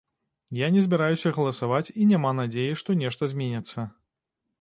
Я не збіраюся галасаваць і няма надзеі, што нешта зменіцца.